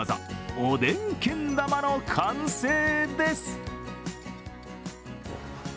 おでんけん玉の完成です。